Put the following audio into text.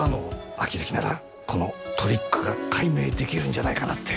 秋月ならこのトリックが解明できるんじゃないかなって。